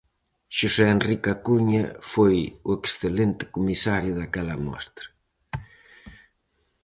Xosé Henrique Acuña foi o excelente comisario daquela mostra.